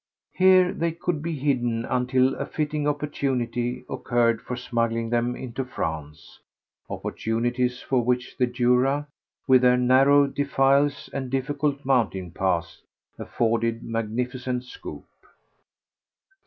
Here they could be kept hidden until a fitting opportunity occurred for smuggling them into France, opportunities for which the Jura, with their narrow defiles and difficult mountain paths, afforded magnificent scope. St.